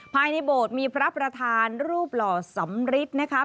ภายในโบสถ์มีพระประธานรูปหล่อสำริทนะคะ